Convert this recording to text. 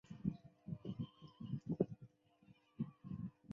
该组织在政治上属于建制派。